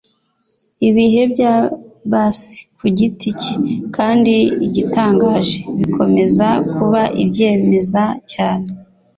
ibihe bya bassi ku giti cye, kandi igitangaje, bikomeza kuba ibyemeza cyane